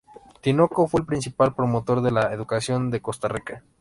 Tinoco fue el principal promotor de la educación de Costa Rica.